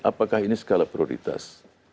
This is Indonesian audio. apakah ini skala prioritas